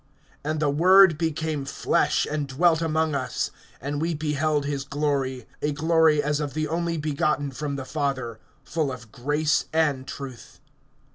(14)And the Word became flesh, and dwelt among us[1:14]; and we beheld his glory, a glory as of the only begotten from the Father, full of grace and truth.